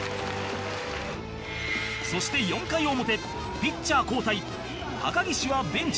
そして４回表ピッチャー交代高岸はベンチへ